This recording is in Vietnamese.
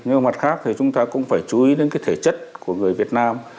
nhưng mà mặt khác thì chúng ta cũng phải chú ý đến cái thể chất của người việt nam